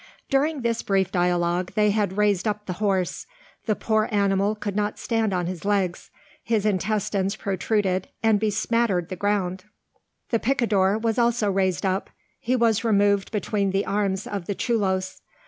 During this brief dialogue they had raised up the horse. The poor animal could not stand on his legs; his intestines protruded and bespattered the ground. The picador was also raised up; he was removed between the arms of the chulos.